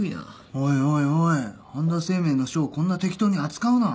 おいおいおい半田清明の書をこんな適当に扱うな。